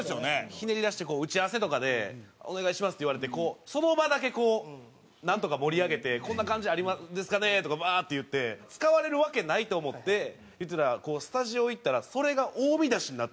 ひねり出して打ち合わせとかで「お願いします」って言われてその場だけこうなんとか盛り上げて「こんな感じですかね？」とかバーッと言って使われるわけないと思って言ってたらスタジオ行ったらそれが大見出しになってて。